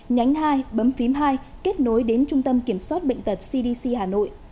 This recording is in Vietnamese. nhánh hai bấm phím hai kết nối đến trung tâm kiểm soát bệnh tật cdc hà nội